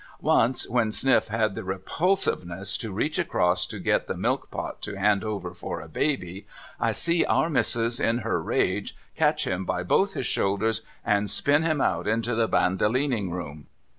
Once, when Sniff had the repulsive ness to reach across to get the milk pot to hand over for a baby, I see Our Missis in her rage catch him by both his shoulders, and spin him out into the Bandolining Room.